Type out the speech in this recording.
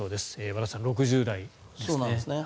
和田さん、６０代ですね。